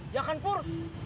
ya kan pur